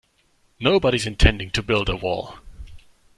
Nobody's intending to build a wall.